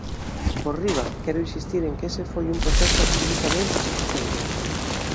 Por riba, quero insistir en que ese foi un proceso absolutamente chapuceiro.